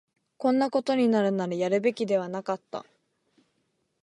こんなことになるなら、やるべきではなかった